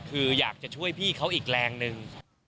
คืออยากจะช่วยพี่เขาอีกแรงหนึ่ง